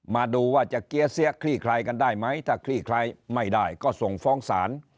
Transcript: มาดูว่าจะเกี้ยเสียคลี่คลายกันได้ไหมถ้าคลี่คลายไม่ได้ก็ส่งฟ้องศาล